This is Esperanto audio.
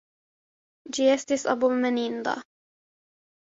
Ĝi estis abomeninda.